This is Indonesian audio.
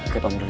kita mundur yuk